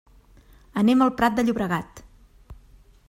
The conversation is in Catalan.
Anem al Prat de Llobregat.